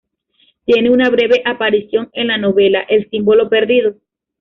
Tiene una breve aparición en la novela El símbolo perdido